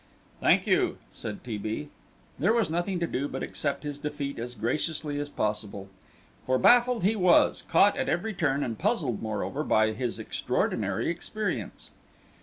"Thank you," said T. B. There was nothing to do but to accept his defeat as graciously as possible. For baffled he was, caught at every turn, and puzzled, moreover, by his extraordinary experience.